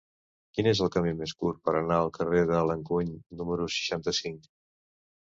Quin és el camí més curt per anar al carrer de l'Encuny número seixanta-cinc?